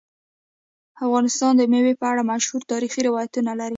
افغانستان د مېوې په اړه مشهور تاریخی روایتونه لري.